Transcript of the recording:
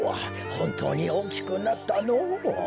ほんとうにおおきくなったのう。